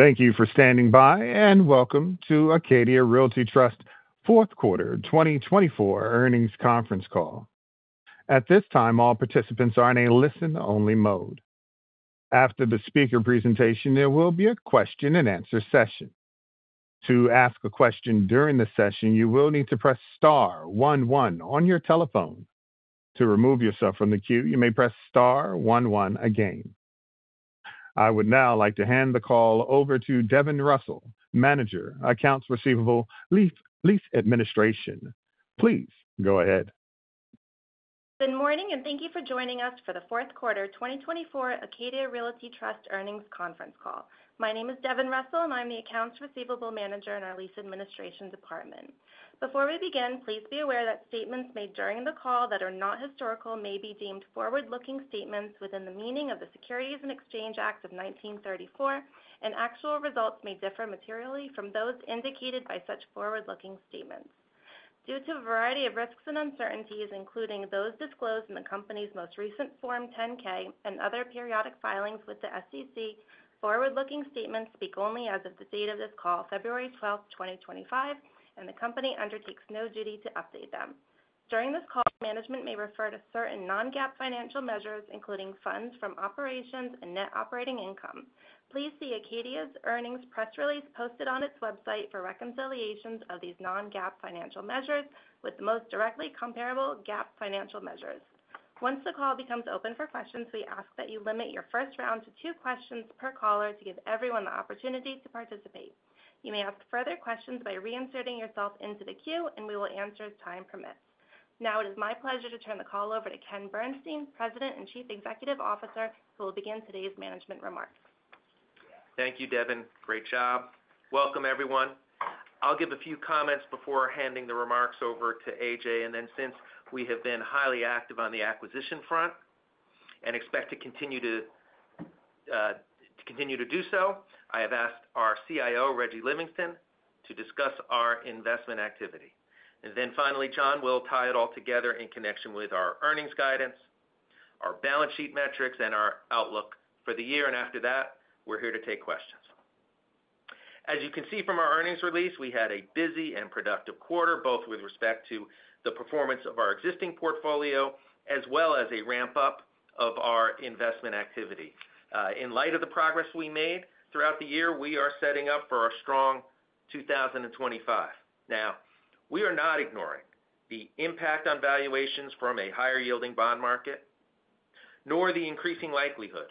Thank you for standing by, and welcome to Acadia Realty Trust Q4 2024 Earnings Conference Call. At this time, all participants are in a listen-only mode. After the speaker presentation, there will be a Q&A session. To ask a question during the session, you will need to press star one one on your telephone. To remove yourself from the queue, you may press star one one again. I would now like to hand the call over to Devin Russell, Manager, Accounts Receivable, Lease Administration. Please go ahead. Good morning, and thank you for joining us for the Q4 2024 Acadia Realty Trust Earnings Conference Call. My name is Devin Russell, and I'm the Accounts Receivable Manager in our Lease Administration Department. Before we begin, please be aware that statements made during the call that are not historical may be deemed forward-looking statements within the meaning of the Securities Exchange Act of 1934, and actual results may differ materially from those indicated by such forward-looking statements. Due to a variety of risks and uncertainties, including those disclosed in the company's most recent Form 10-K and other periodic filings with the SEC, forward-looking statements speak only as of the date of this call, February 12, 2025, and the company undertakes no duty to update them. During this call, management may refer to certain non-GAAP financial measures, including funds from operations and net operating income. Please see Acadia's earnings press release posted on its website for reconciliations of these non-GAAP financial measures with the most directly comparable GAAP financial measures. Once the call becomes open for questions, we ask that you limit your first round to two questions per caller to give everyone the opportunity to participate. You may ask further questions by reinserting yourself into the queue, and we will answer as time permits. Now, it is my pleasure to turn the call over to Ken Bernstein, President and Chief Executive Officer, who will begin today's management remarks. Thank you, Devin. Great job. Welcome, everyone. I'll give a few comments before handing the remarks over to A.J., and then since we have been highly active on the acquisition front and expect to continue to do so, I have asked our CIO, Reggie Livingston, to discuss our investment activity, and then finally, John will tie it all together in connection with our earnings guidance, our balance sheet metrics, and our outlook for the year, and after that, we're here to take questions. As you can see from our earnings release, we had a busy and productive quarter, both with respect to the performance of our existing portfolio as well as a ramp-up of our investment activity. In light of the progress we made throughout the year, we are setting up for a strong 2025. Now, we are not ignoring the impact on valuations from a higher-yielding bond market, nor the increasing likelihood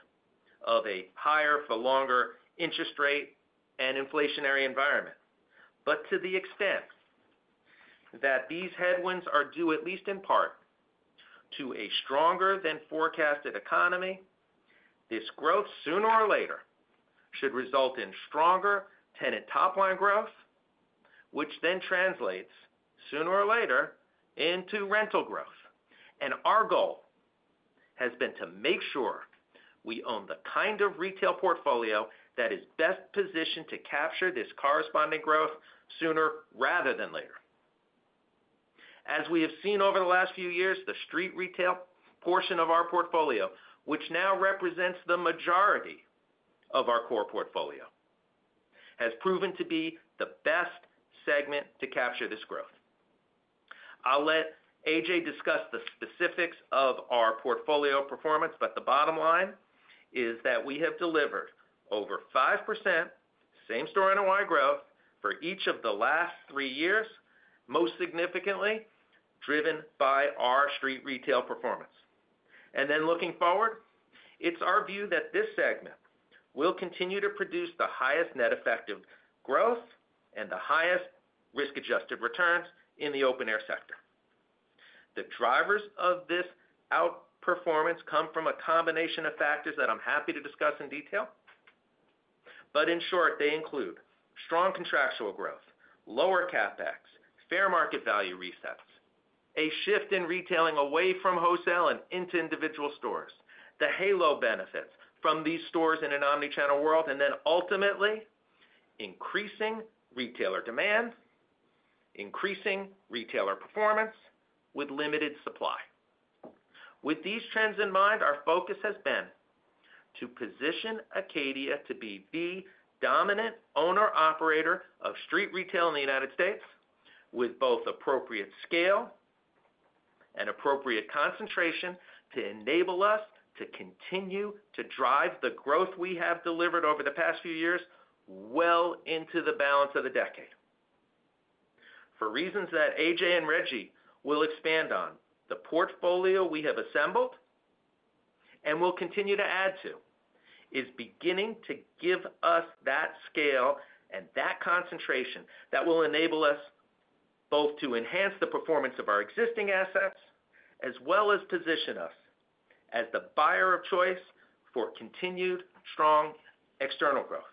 of a higher-for-longer interest rate and inflationary environment. But to the extent that these headwinds are due, at least in part, to a stronger-than-forecasted economy, this growth sooner or later should result in stronger tenant top-line growth, which then translates sooner or later into rental growth. And our goal has been to make sure we own the kind of retail portfolio that is best positioned to capture this corresponding growth sooner rather than later. As we have seen over the last few years, the street retail portion of our portfolio, which now represents the majority of our core portfolio, has proven to be the best segment to capture this growth. I'll let A.J. discuss the specifics of our portfolio performance, but the bottom line is that we have delivered over 5% same-store NOI growth for each of the last three years, most significantly driven by our street retail performance, and then looking forward, it's our view that this segment will continue to produce the highest net effective growth and the highest risk-adjusted returns in the open-air sector. The drivers of this outperformance come from a combination of factors that I'm happy to discuss in detail, but in short, they include strong contractual growth, lower CapEx, fair market value resets, a shift in retailing away from wholesale and into individual stores, the halo benefits from these stores in an omnichannel world, and then ultimately increasing retailer demand, increasing retailer performance with limited supply. With these trends in mind, our focus has been to position Acadia to be the dominant owner-operator of street retail in the United States with both appropriate scale and appropriate concentration to enable us to continue to drive the growth we have delivered over the past few years well into the balance of the decade. For reasons that A.J. and Reggie will expand on, the portfolio we have assembled and will continue to add to is beginning to give us that scale and that concentration that will enable us both to enhance the performance of our existing assets as well as position us as the buyer of choice for continued strong external growth.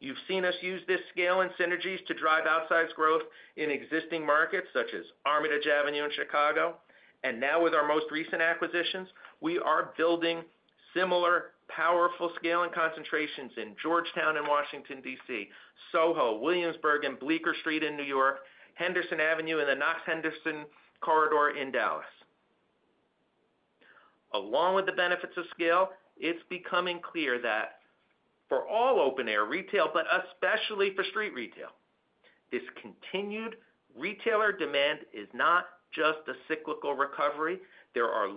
You've seen us use this scale and synergies to drive outsized growth in existing markets such as Armitage Avenue in Chicago, and now with our most recent acquisitions, we are building similar powerful scale and concentrations in Georgetown in Washington, D.C., SoHo, Williamsburg, and Bleecker Street in New York, Henderson Avenue in the Knox-Henderson corridor in Dallas. Along with the benefits of scale, it's becoming clear that for all open-air retail, but especially for street retail, this continued retailer demand is not just a cyclical recovery. There are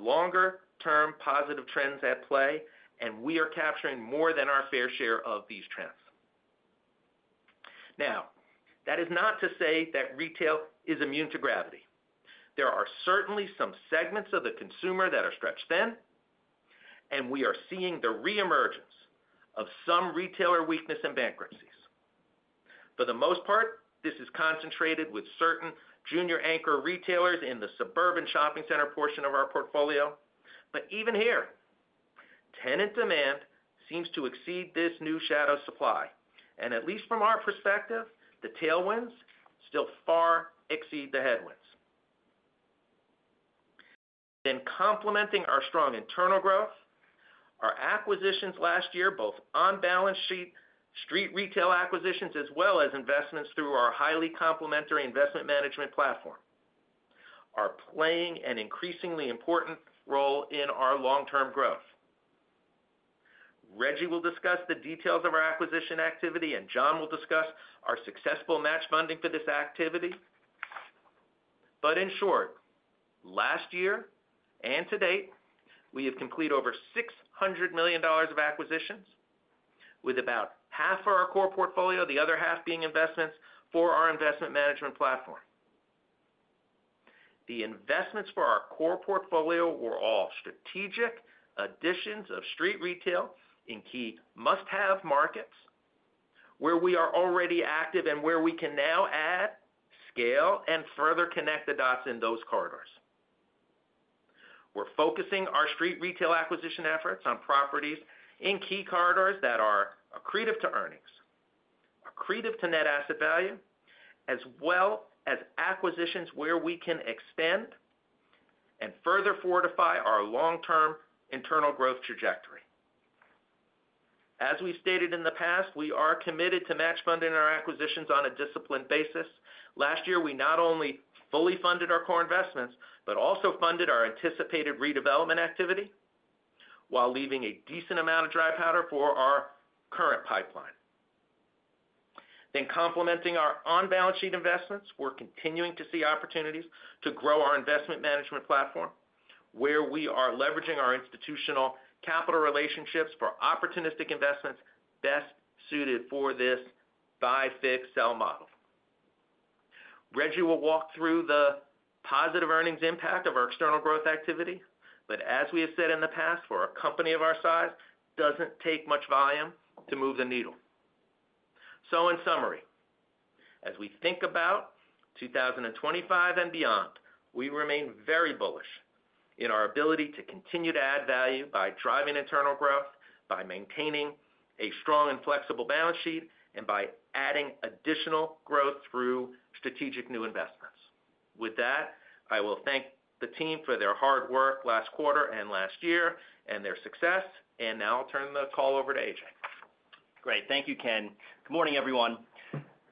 longer-term positive trends at play, and we are capturing more than our fair share of these trends. Now, that is not to say that retail is immune to gravity. There are certainly some segments of the consumer that are stretched thin, and we are seeing the reemergence of some retailer weakness and bankruptcies. For the most part, this is concentrated with certain junior anchor retailers in the suburban shopping center portion of our portfolio, but even here, tenant demand seems to exceed this new shadow supply, and at least from our perspective, the tailwinds still far exceed the headwinds, then complementing our strong internal growth, our acquisitions last year, both on balance sheet street retail acquisitions as well as investments through our highly complementary investment management platform, are playing an increasingly important role in our long-term growth. Reggie will discuss the details of our acquisition activity, and John will discuss our successful match funding for this activity, but in short, last year and to date, we have completed over $600 million of acquisitions with about half of our core portfolio, the other half being investments for our investment management platform. The investments for our core portfolio were all strategic additions of street retail in key must-have markets where we are already active and where we can now add scale and further connect the dots in those corridors. We're focusing our street retail acquisition efforts on properties in key corridors that are accretive to earnings, accretive to net asset value, as well as acquisitions where we can extend and further fortify our long-term internal growth trajectory. As we've stated in the past, we are committed to match funding our acquisitions on a disciplined basis. Last year, we not only fully funded our core investments, but also funded our anticipated redevelopment activity while leaving a decent amount of dry powder for our current pipeline. Then complementing our on-balance sheet investments, we're continuing to see opportunities to grow our investment management platform where we are leveraging our institutional capital relationships for opportunistic investments best suited for this buy-fix-sell model. Reggie will walk through the positive earnings impact of our external growth activity, but as we have said in the past, for a company of our size, it doesn't take much volume to move the needle. So in summary, as we think about 2025 and beyond, we remain very bullish in our ability to continue to add value by driving internal growth, by maintaining a strong and flexible balance sheet, and by adding additional growth through strategic new investments. With that, I will thank the team for their hard work last quarter and last year and their success. And now I'll turn the call over to A.J. Great. Thank you, Ken. Good morning, everyone.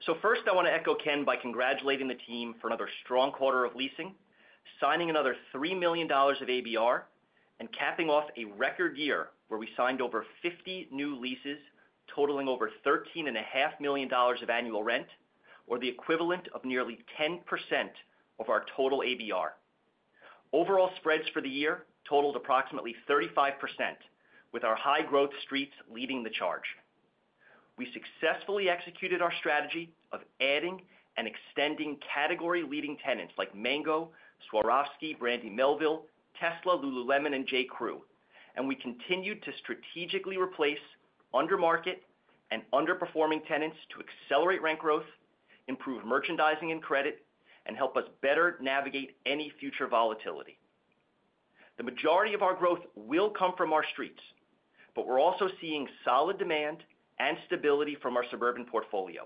So first, I want to echo Ken by congratulating the team for another strong quarter of leasing, signing another $3 million of ABR, and capping off a record year where we signed over 50 new leases totaling over $13.5 million of annual rent, or the equivalent of nearly 10% of our total ABR. Overall spreads for the year totaled approximately 35%, with our high-growth streets leading the charge. We successfully executed our strategy of adding and extending category-leading tenants like Mango, Swarovski, Brandy Melville, Tesla, Lululemon, and J.Crew, and we continued to strategically replace under-market and underperforming tenants to accelerate rent growth, improve merchandising and credit, and help us better navigate any future volatility. The majority of our growth will come from our streets, but we're also seeing solid demand and stability from our suburban portfolio.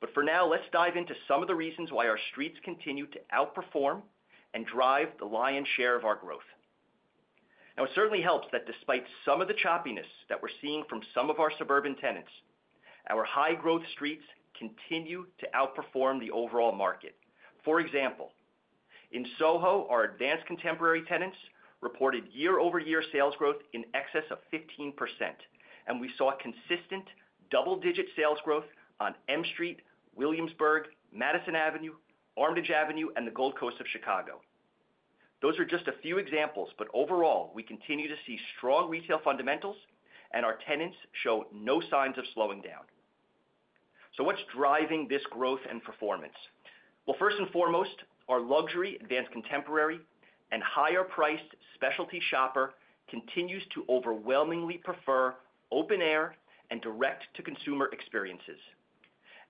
But for now, let's dive into some of the reasons why our streets continue to outperform and drive the lion's share of our growth. Now, it certainly helps that despite some of the choppiness that we're seeing from some of our suburban tenants, our high-growth streets continue to outperform the overall market. For example, in SoHo, our advanced contemporary tenants reported year-over-year sales growth in excess of 15%, and we saw consistent double-digit sales growth on M Street, Williamsburg, Madison Avenue, Armitage Avenue, and the Gold Coast of Chicago. Those are just a few examples, but overall, we continue to see strong retail fundamentals, and our tenants show no signs of slowing down. So what's driving this growth and performance? Well, first and foremost, our luxury advanced contemporary and higher-priced specialty shopper continues to overwhelmingly prefer open-air and direct-to-consumer experiences.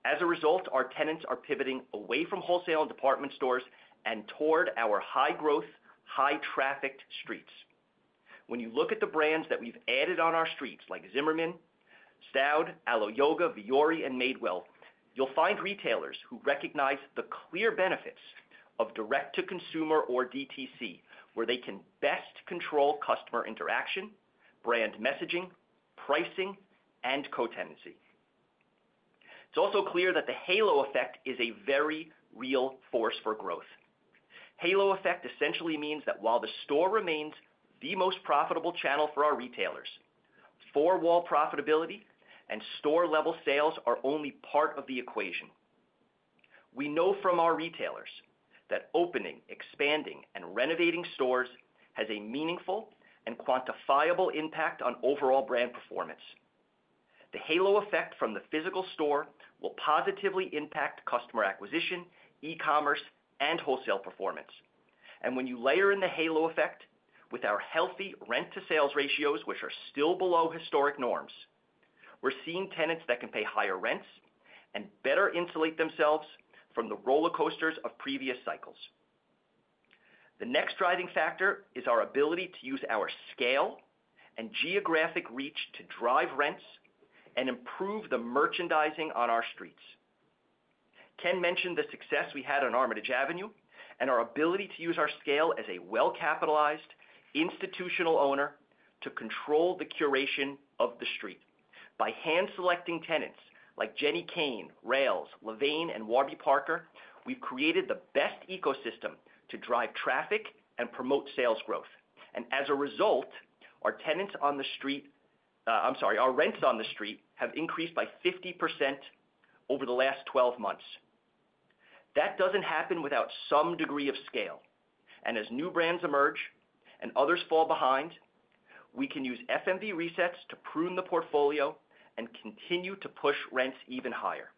As a result, our tenants are pivoting away from wholesale and department stores and toward our high-growth, high-traffic streets. When you look at the brands that we've added on our streets like Zimmermann, Staud, Alo Yoga, Vuori, and Madewell, you'll find retailers who recognize the clear benefits of direct-to-consumer or DTC, where they can best control customer interaction, brand messaging, pricing, and co-tenancy. It's also clear that the halo effect is a very real force for growth. Halo effect essentially means that while the store remains the most profitable channel for our retailers, four-wall profitability and store-level sales are only part of the equation. We know from our retailers that opening, expanding, and renovating stores has a meaningful and quantifiable impact on overall brand performance. The halo effect from the physical store will positively impact customer acquisition, e-commerce, and wholesale performance. And when you layer in the halo effect with our healthy rent-to-sales ratios, which are still below historic norms, we're seeing tenants that can pay higher rents and better insulate themselves from the roller coasters of previous cycles. The next driving factor is our ability to use our scale and geographic reach to drive rents and improve the merchandising on our streets. Ken mentioned the success we had on Armitage Avenue and our ability to use our scale as a well-capitalized institutional owner to control the curation of the street. By hand-selecting tenants like Jenni Kayne, Rails, La Ligne, and Warby Parker, we've created the best ecosystem to drive traffic and promote sales growth. And as a result, our tenants on the street. I'm sorry, our rents on the street, have increased by 50% over the last 12 months. That doesn't happen without some degree of scale. As new brands emerge and others fall behind, we can use FMV resets to prune the portfolio and continue to push rents even higher.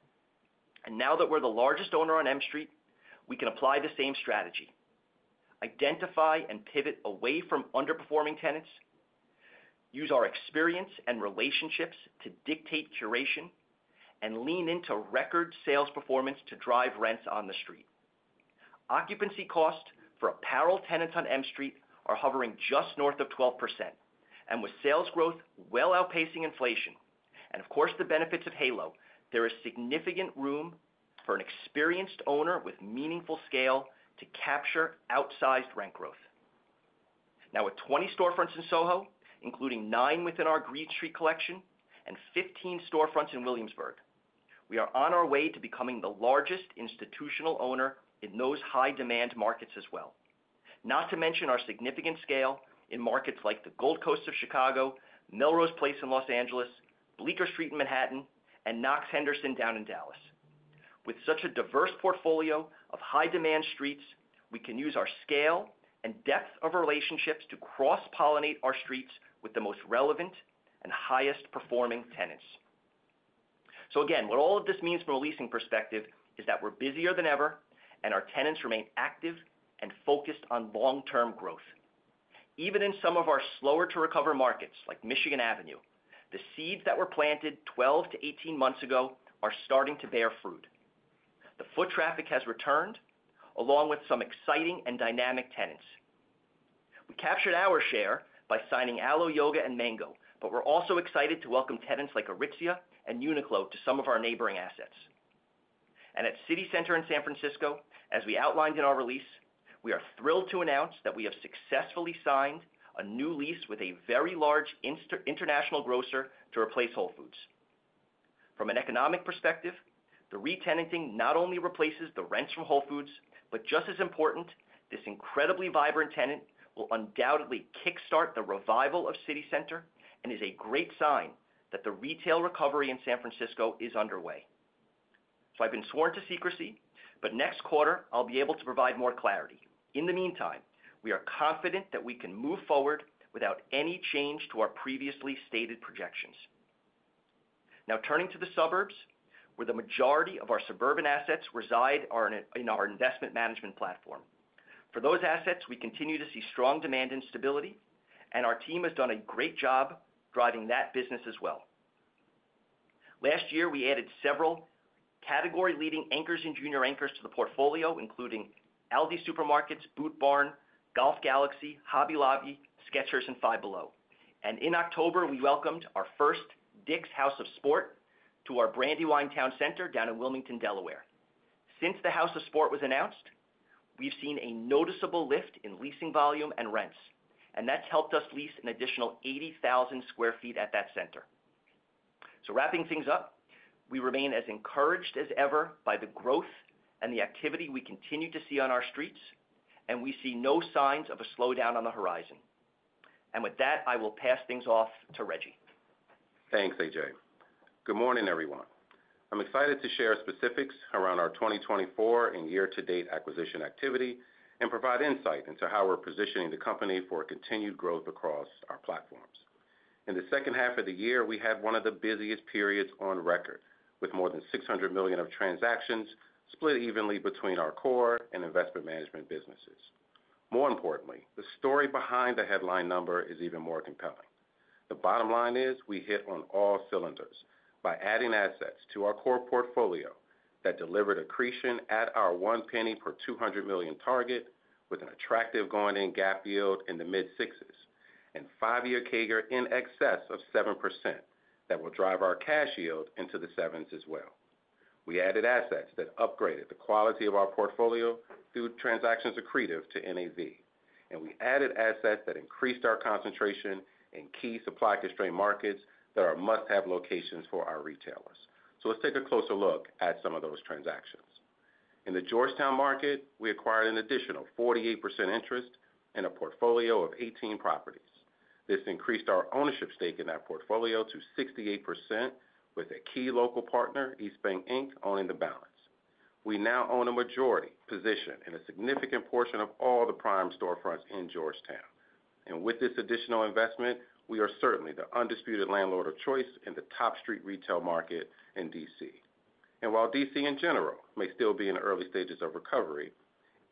Now that we're the largest owner on M Street, we can apply the same strategy: identify and pivot away from underperforming tenants, use our experience and relationships to dictate curation, and lean into record sales performance to drive rents on the street. Occupancy costs for apparel tenants on M Street are hovering just north of 12%, and with sales growth well outpacing inflation and, of course, the benefits of halo, there is significant room for an experienced owner with meaningful scale to capture outsized rent growth. Now, with 20 storefronts in SoHo, including nine within our Greene Street Collection, and 15 storefronts in Williamsburg, we are on our way to becoming the largest institutional owner in those high-demand markets as well, not to mention our significant scale in markets like the Gold Coast of Chicago, Melrose Place in Los Angeles, Bleecker Street in Manhattan, and Knox-Henderson down in Dallas. With such a diverse portfolio of high-demand streets, we can use our scale and depth of relationships to cross-pollinate our streets with the most relevant and highest-performing tenants. So again, what all of this means from a leasing perspective is that we're busier than ever, and our tenants remain active and focused on long-term growth. Even in some of our slower-to-recover markets like Michigan Avenue, the seeds that were planted 12 to 18 months ago are starting to bear fruit. The foot traffic has returned along with some exciting and dynamic tenants. We captured our share by signing Alo Yoga and Mango, but we're also excited to welcome tenants like Aritzia and Uniqlo to some of our neighboring assets. And at City Center in San Francisco, as we outlined in our release, we are thrilled to announce that we have successfully signed a new lease with a very large international grocer to replace Whole Foods. From an economic perspective, the re-tenanting not only replaces the rents from Whole Foods, but just as important, this incredibly vibrant tenant will undoubtedly kickstart the revival of City Center and is a great sign that the retail recovery in San Francisco is underway. So I've been sworn to secrecy, but next quarter, I'll be able to provide more clarity. In the meantime, we are confident that we can move forward without any change to our previously stated projections. Now, turning to the suburbs, where the majority of our suburban assets reside in our investment management platform. For those assets, we continue to see strong demand and stability, and our team has done a great job driving that business as well. Last year, we added several category-leading anchors and junior anchors to the portfolio, including Aldi Supermarkets, Boot Barn, Golf Galaxy, Hobby Lobby, Skechers, and Five Below. And in October, we welcomed our first Dick's House of Sport to our Brandywine Town Center down in Wilmington, Delaware. Since the House of Sport was announced, we've seen a noticeable lift in leasing volume and rents, and that's helped us lease an additional 80,000 sq ft at that center. So wrapping things up, we remain as encouraged as ever by the growth and the activity we continue to see on our streets, and we see no signs of a slowdown on the horizon. And with that, I will pass things off to Reggie. Thanks, A.J. Good morning, everyone. I'm excited to share specifics around our 2024 and year-to-date acquisition activity and provide insight into how we're positioning the company for continued growth across our platforms. In the second half of the year, we had one of the busiest periods on record, with more than $600 million of transactions split evenly between our core and investment management businesses. More importantly, the story behind the headline number is even more compelling. The bottom line is we hit on all cylinders by adding assets to our core portfolio that delivered accretion at our one penny per $200 million target with an attractive going-in GAAP yield in the mid-sixes and five-year CAGR in excess of 7% that will drive our cash yield into the sevens as well. We added assets that upgraded the quality of our portfolio through transactions accretive to NAV, and we added assets that increased our concentration in key supply-constrained markets that are must-have locations for our retailers. Let's take a closer look at some of those transactions. In the Georgetown market, we acquired an additional 48% interest in a portfolio of 18 properties. This increased our ownership stake in that portfolio to 68% with a key local partner, EastBanc, Inc., owning the balance. We now own a majority position in a significant portion of all the prime storefronts in Georgetown. With this additional investment, we are certainly the undisputed landlord of choice in the top street retail market in D.C. While D.C. in general may still be in early stages of recovery,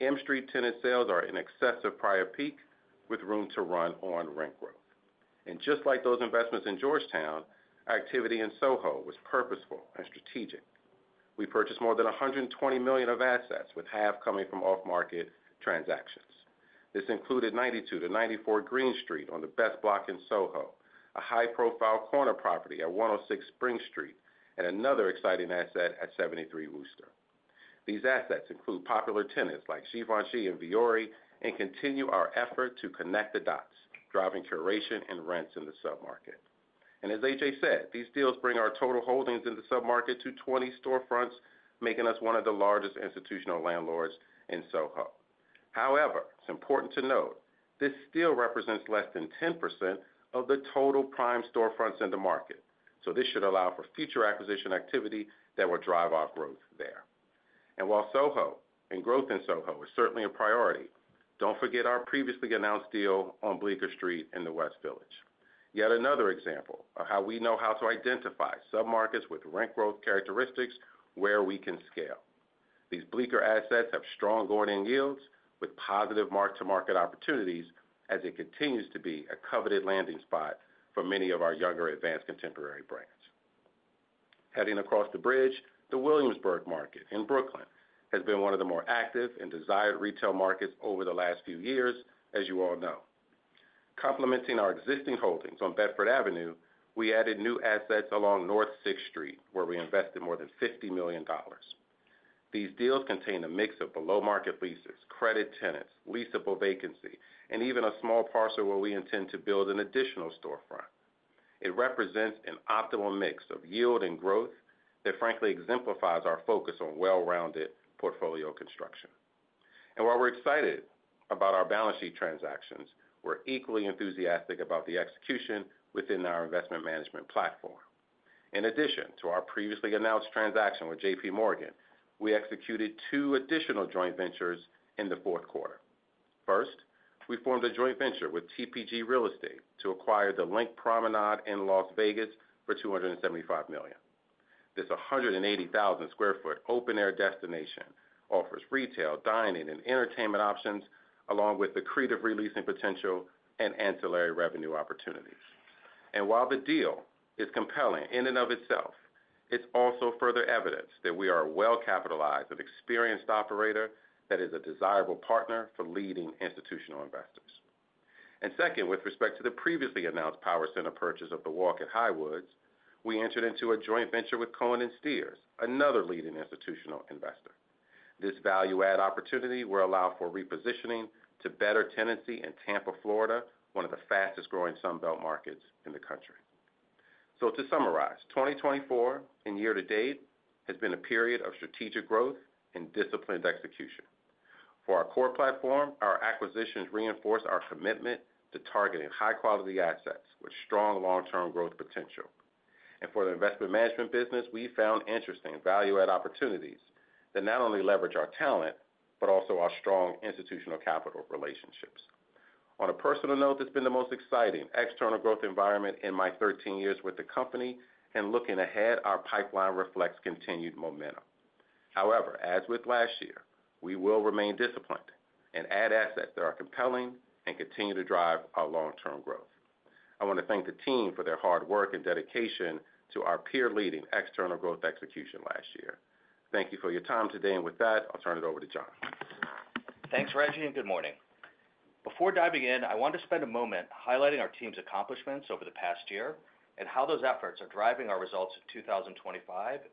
M Street tenant sales are in excess of prior peak with room to run on rent growth. Just like those investments in Georgetown, activity in SoHo was purposeful and strategic. We purchased more than $120 million of assets, with half coming from off-market transactions. This included 92-94 Greene Street on the best block in SoHo, a high-profile corner property at 106 Spring Street, and another exciting asset at 73 Wooster. These assets include popular tenants like Givenchy and Vuori and continue our effort to connect the dots, driving curation and rents in the submarket. And as A.J. said, these deals bring our total holdings in the submarket to 20 storefronts, making us one of the largest institutional landlords in SoHo. However, it's important to note this still represents less than 10% of the total prime storefronts in the market, so this should allow for future acquisition activity that will drive our growth there. While SoHo and growth in SoHo is certainly a priority, don't forget our previously announced deal on Bleecker Street in the West Village. Yet another example of how we know how to identify submarkets with rent growth characteristics where we can scale. These Bleecker assets have strong going-in yields with positive mark-to-market opportunities as it continues to be a coveted landing spot for many of our younger advanced contemporary brands. Heading across the bridge, the Williamsburg market in Brooklyn has been one of the more active and desired retail markets over the last few years, as you all know. Complementing our existing holdings on Bedford Avenue, we added new assets along North 6th Street, where we invested more than $50 million. These deals contain a mix of below-market leases, credit tenants, leasable vacancy, and even a small parcel where we intend to build an additional storefront. It represents an optimal mix of yield and growth that, frankly, exemplifies our focus on well-rounded portfolio construction. While we're excited about our balance sheet transactions, we're equally enthusiastic about the execution within our investment management platform. In addition to our previously announced transaction with JPMorgan, we executed two additional joint ventures in the Q4. First, we formed a joint venture with TPG Real Estate to acquire the LINQ Promenade in Las Vegas for $275 million. This 180,000 sq ft open-air destination offers retail, dining, and entertainment options along with accretive releasing potential and ancillary revenue opportunities. While the deal is compelling in and of itself, it's also further evidence that we are a well-capitalized and experienced operator that is a desirable partner for leading institutional investors. Second, with respect to the previously announced power center purchase of The Walk at Highwoods, we entered into a joint venture with Cohen & Steers, another leading institutional investor. This value-add opportunity will allow for repositioning to better tenancy in Tampa, Florida, one of the fastest-growing Sunbelt markets in the country. To summarize, 2024 and year-to-date has been a period of strategic growth and disciplined execution. For our core platform, our acquisitions reinforce our commitment to targeting high-quality assets with strong long-term growth potential. For the investment management business, we found interesting value-add opportunities that not only leverage our talent but also our strong institutional capital relationships. On a personal note, it's been the most exciting external growth environment in my 13 years with the company, and looking ahead, our pipeline reflects continued momentum. However, as with last year, we will remain disciplined and add assets that are compelling and continue to drive our long-term growth. I want to thank the team for their hard work and dedication to our peer-leading external growth execution last year. Thank you for your time today, and with that, I'll turn it over to John. Thanks, Reggie, and good morning. Before diving in, I want to spend a moment highlighting our team's accomplishments over the past year and how those efforts are driving our results in 2025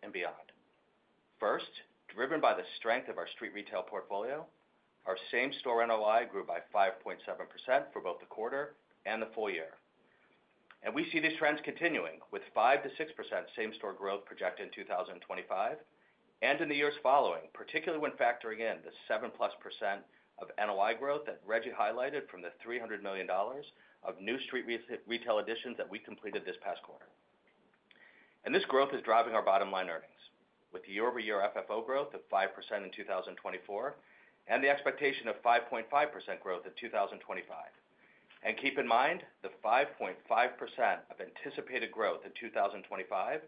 and beyond. First, driven by the strength of our street retail portfolio, our same-store NOI grew by 5.7% for both the quarter and the full year. And we see these trends continuing with 5 to 6% same-store growth projected in 2025 and in the years following, particularly when factoring in the 7-plus% of NOI growth that Reggie highlighted from the $300 million of new street retail additions that we completed this past quarter. And this growth is driving our bottom-line earnings with year-over-year FFO growth of 5% in 2024 and the expectation of 5.5% growth in 2025. And keep in mind, the 5.5% of anticipated growth in 2025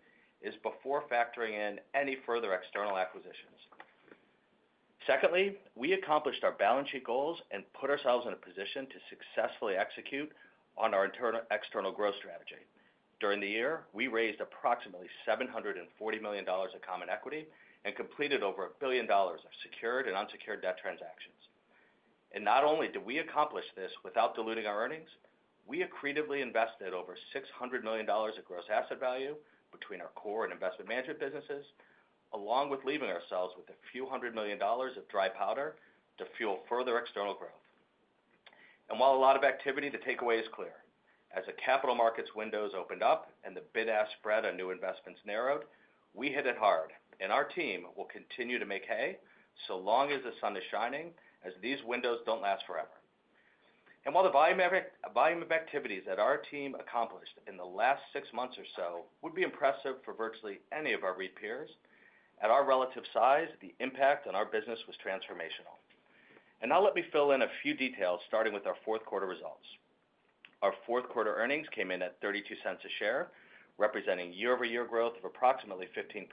is before factoring in any further external acquisitions. Secondly, we accomplished our balance sheet goals and put ourselves in a position to successfully execute on our external growth strategy. During the year, we raised approximately $740 million of common equity and completed over $1 billion of secured and unsecured debt transactions. And not only did we accomplish this without diluting our earnings, we accretively invested over $600 million of gross asset value between our core and investment management businesses, along with leaving ourselves with a few hundred million dollars of dry powder to fuel further external growth. And while a lot of activity, the takeaway is clear. As the capital markets windows opened up and the bid-ask spread on new investments narrowed, we hit it hard, and our team will continue to make hay so long as the sun is shining, as these windows don't last forever. And while the volume of activities that our team accomplished in the last six months or so would be impressive for virtually any of our peers, at our relative size, the impact on our business was transformational. And now let me fill in a few details, starting with our Q4 results. Our Q4 earnings came in at $0.32 a share, representing year-over-year growth of approximately 15%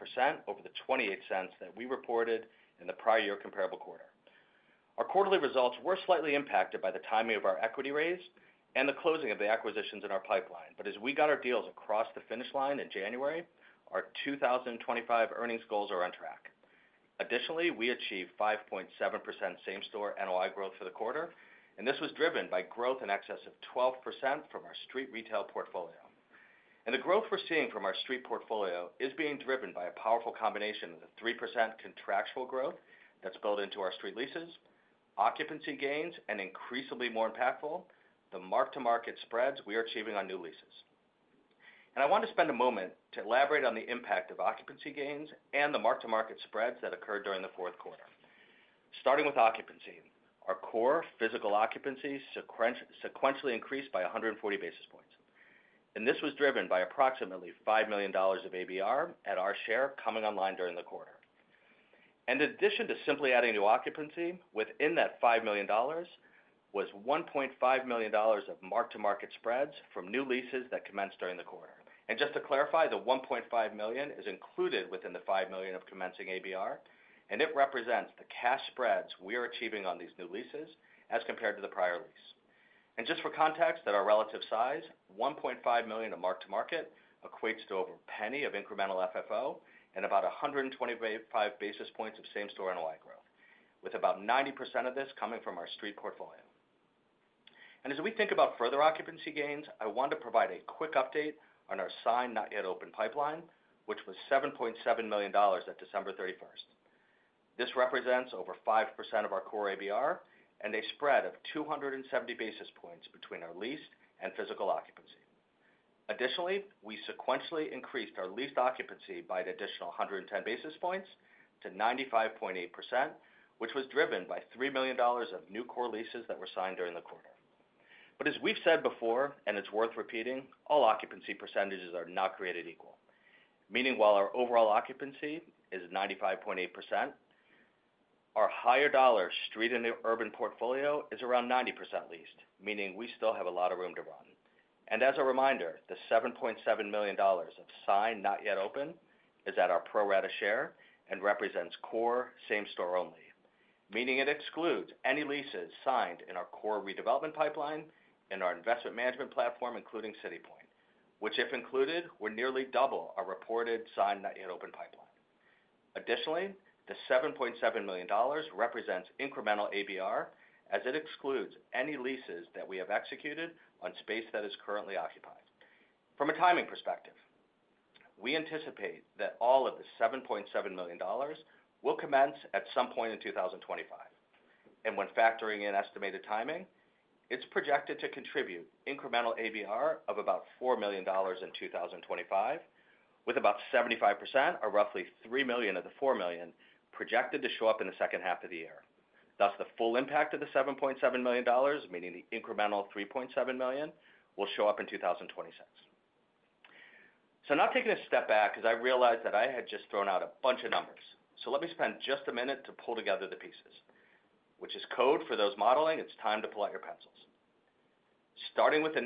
over the $0.28 that we reported in the prior year comparable quarter. Our quarterly results were slightly impacted by the timing of our equity raise and the closing of the acquisitions in our pipeline, but as we got our deals across the finish line in January, our 2025 earnings goals are on track. Additionally, we achieved 5.7% same-store NOI growth for the quarter, and this was driven by growth in excess of 12% from our street retail portfolio. The growth we're seeing from our street portfolio is being driven by a powerful combination of the 3% contractual growth that's built into our street leases, occupancy gains, and increasingly more impactful, the mark-to-market spreads we are achieving on new leases. I want to spend a moment to elaborate on the impact of occupancy gains and the mark-to-market spreads that occurred during the Q4. Starting with occupancy, our core physical occupancy sequentially increased by 140 basis points. This was driven by approximately $5 million of ABR at our share coming online during the quarter. In addition to simply adding new occupancy, within that $5 million was $1.5 million of mark-to-market spreads from new leases that commenced during the quarter. Just to clarify, the $1.5 million is included within the $5 million of commencing ABR, and it represents the cash spreads we are achieving on these new leases as compared to the prior lease. Just for context at our relative size, $1.5 million of mark-to-market equates to over a penny of incremental FFO and about 125 basis points of same-store NOI growth, with about 90% of this coming from our street portfolio. As we think about further occupancy gains, I want to provide a quick update on our signed not-yet-opened pipeline, which was $7.7 million at December 31st. This represents over 5% of our core ABR and a spread of 270 basis points between our leased and physical occupancy. Additionally, we sequentially increased our leased occupancy by an additional 110 basis points to 95.8%, which was driven by $3 million of new core leases that were signed during the quarter, but as we've said before, and it's worth repeating, all occupancy percentages are not created equal, meaning while our overall occupancy is 95.8%, our higher dollar street and urban portfolio is around 90% leased, meaning we still have a lot of room to run, and as a reminder, the $7.7 million of signed not-yet-opened is at our pro rata share and represents core same-store only, meaning it excludes any leases signed in our core redevelopment pipeline and our investment management platform, including City Point, which, if included, would nearly double our reported signed not-yet-opened pipeline. Additionally, the $7.7 million represents incremental ABR as it excludes any leases that we have executed on space that is currently occupied. From a timing perspective, we anticipate that all of the $7.7 million will commence at some point in 2025, and when factoring in estimated timing, it's projected to contribute incremental ABR of about $4 million in 2025, with about 75% or roughly 3 million of the 4 million projected to show up in the second half of the year. Thus, the full impact of the $7.7 million, meaning the incremental 3.7 million, will show up in 2026, so now taking a step back because I realized that I had just thrown out a bunch of numbers, so let me spend just a minute to pull together the pieces, which is code for those modeling. It's time to pull out your pencils. Starting with the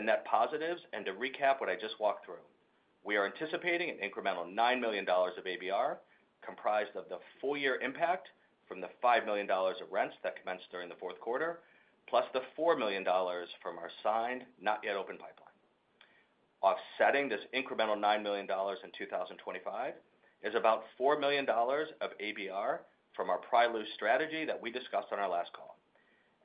net positives and to recap what I just walked through, we are anticipating an incremental $9 million of ABR comprised of the full-year impact from the $5 million of rents that commenced during the Q4, plus the $4 million from our signed not-yet-opened pipeline. Offsetting this incremental $9 million in 2025 is about $4 million of ABR from our pry loose strategy that we discussed on our last call.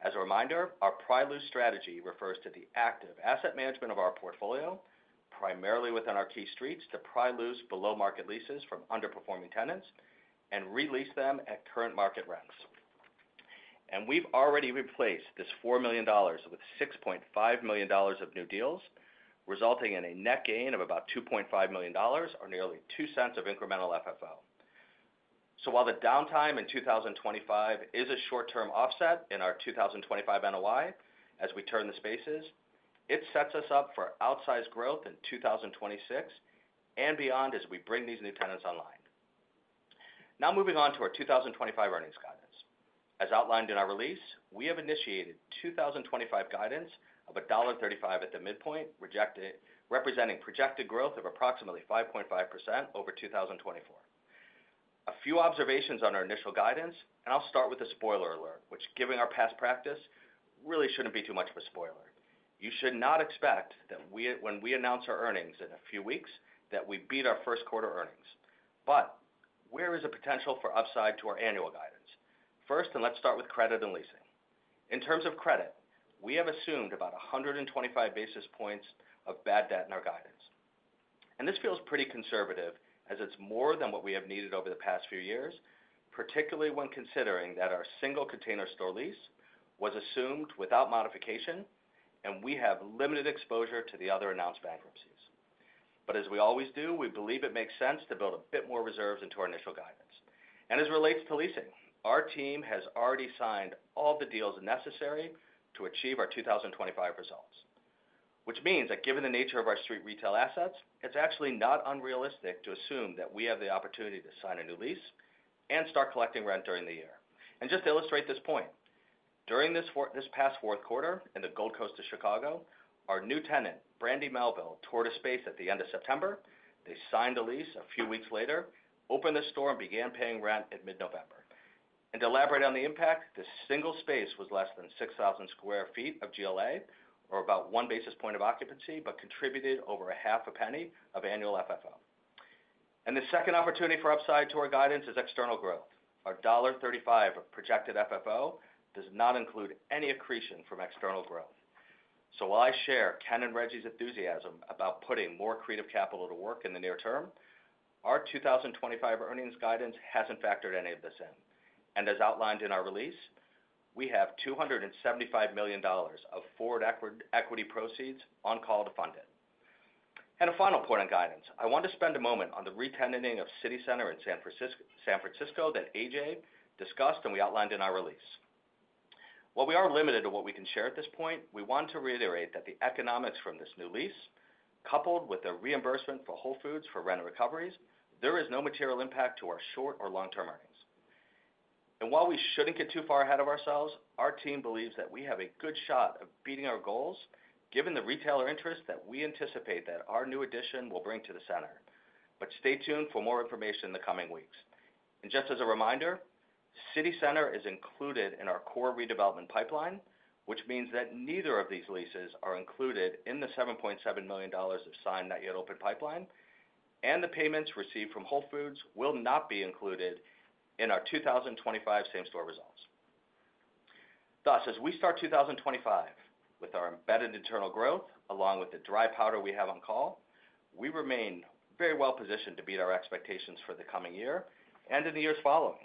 As a reminder, our pry loose strategy refers to the active asset management of our portfolio, primarily within our key streets to pry loose below-market leases from underperforming tenants and release them at current market rents, and we've already replaced this $4 million with $6.5 million of new deals, resulting in a net gain of about $2.5 million or nearly 2 cents of incremental FFO. So while the downtime in 2025 is a short-term offset in our 2025 NOI as we turn the spaces, it sets us up for outsized growth in 2026 and beyond as we bring these new tenants online. Now moving on to our 2025 earnings guidance. As outlined in our release, we have initiated 2025 guidance of $1.35 at the midpoint, representing projected growth of approximately 5.5% over 2024. A few observations on our initial guidance, and I'll start with a spoiler alert, which, given our past practice, really shouldn't be too much of a spoiler. You should not expect that when we announce our earnings in a few weeks that we beat our Q1 earnings. But where is the potential for upside to our annual guidance? First, and let's start with credit and leasing. In terms of credit, we have assumed about 125 basis points of bad debt in our guidance. This feels pretty conservative as it's more than what we have needed over the past few years, particularly when considering that our single Container Store lease was assumed without modification, and we have limited exposure to the other announced bankruptcies. As we always do, we believe it makes sense to build a bit more reserves into our initial guidance. As it relates to leasing, our team has already signed all the deals necessary to achieve our 2025 results, which means that given the nature of our street retail assets, it's actually not unrealistic to assume that we have the opportunity to sign a new lease and start collecting rent during the year. And just to illustrate this point, during this past Q4 in the Gold Coast of Chicago, our new tenant, Brandy Melville, toured a space at the end of September. They signed a lease a few weeks later, opened the store, and began paying rent in mid-November. And to elaborate on the impact, this single space was less than 6,000 sq ft of GLA, or about one basis point of occupancy, but contributed over $0.005 of annual FFO. And the second opportunity for upside to our guidance is external growth. Our $1.35 of projected FFO does not include any accretion from external growth. So while I share Ken and Reggie's enthusiasm about putting more creative capital to work in the near term, our 2025 earnings guidance hasn't factored any of this in. As outlined in our release, we have $275 million of forward equity proceeds on call to fund it. A final point on guidance, I want to spend a moment on the re-tenanting of City Center in San Francisco that A.J. discussed and we outlined in our release. While we are limited to what we can share at this point, we want to reiterate that the economics from this new lease, coupled with the reimbursement for Whole Foods for rent recoveries, there is no material impact to our short or long-term earnings. While we shouldn't get too far ahead of ourselves, our team believes that we have a good shot of beating our goals, given the retailer interest that we anticipate that our new addition will bring to the center. Stay tuned for more information in the coming weeks. Just as a reminder, City Center is included in our core redevelopment pipeline, which means that neither of these leases are included in the $7.7 million of signed not-yet-opened pipeline, and the payments received from Whole Foods will not be included in our 2025 same-store results. Thus, as we start 2025 with our embedded internal growth, along with the dry powder we have on call, we remain very well positioned to beat our expectations for the coming year and in the years following.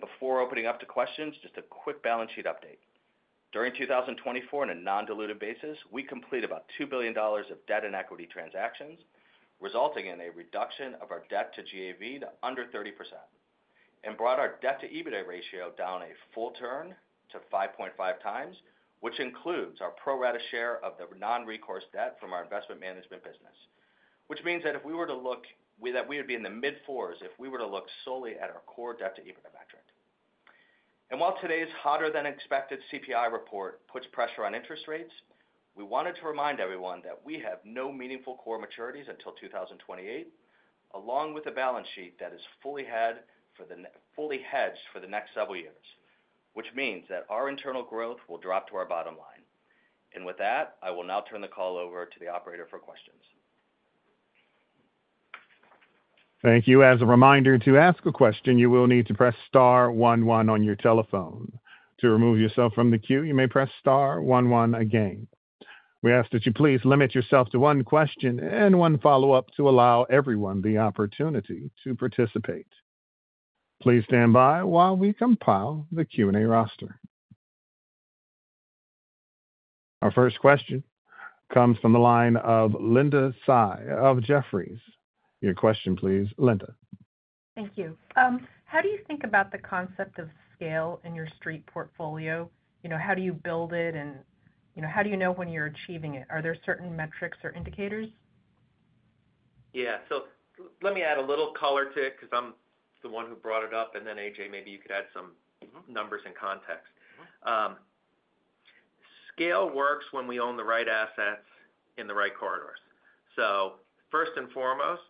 Before opening up to questions, just a quick balance sheet update. During 2024, on a non-diluted basis, we completed about $2 billion of debt and equity transactions, resulting in a reduction of our debt to GAV to under 30%, and brought our debt to EBITDA ratio down a full turn to 5.5x, which includes our pro rata share of the non-recourse debt from our investment management business, which means that if we were to look, that we would be in the mid-fours if we were to look solely at our core debt to EBITDA metric, and while today's hotter-than-expected CPI report puts pressure on interest rates, we wanted to remind everyone that we have no meaningful core maturities until 2028, along with a balance sheet that is fully hedged for the next several years, which means that our internal growth will drop to our bottom line. With that, I will now turn the call over to the operator for questions. Thank you. As a reminder, to ask a question, you will need to press star one one on your telephone. To remove yourself from the queue, you may press star one one again. We ask that you please limit yourself to one question and one follow-up to allow everyone the opportunity to participate. Please stand by while we compile the Q&A roster. Our first question comes from the line of Linda Tsai of Jefferies. Your question, please, Linda. Thank you. How do you think about the concept of scale in your street portfolio? How do you build it, and how do you know when you're achieving it? Are there certain metrics or indicators? Yeah. So let me add a little color to it because I'm the one who brought it up, and then A.J., maybe you could add some numbers and context. Scale works when we own the right assets in the right corridors. So first and foremost,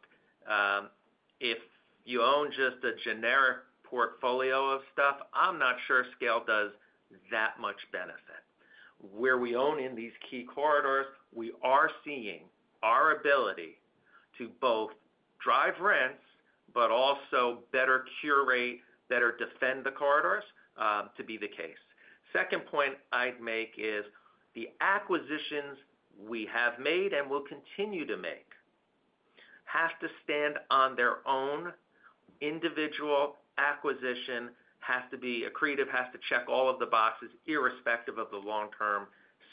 if you own just a generic portfolio of stuff, I'm not sure scale does that much benefit. Where we own in these key corridors, we are seeing our ability to both drive rents, but also better curate, better defend the corridors to be the case. Second point I'd make is the acquisitions we have made and will continue to make have to stand on their own. Individual acquisition has to be accretive, has to check all of the boxes irrespective of the long-term